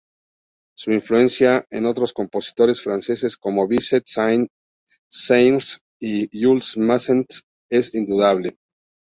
Su influencia en otros compositores franceses como Bizet, Saint-Saëns y Jules Massenet es indudable.